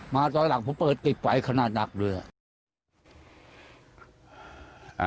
มาตรงหลังผมเปิดติดไว้ขนาดหนักดูด่ะ